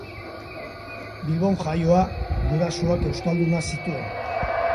Bilbon jaioa, gurasoak euskaldunak zituen.